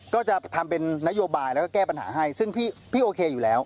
ก็จะทำเป็นนโยบายแล้วก็แก้ปัญหาให้ซึ่งพี่โอเคอยู่แล้ว